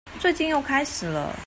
最近又開始了